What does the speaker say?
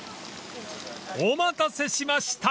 ［お待たせしました］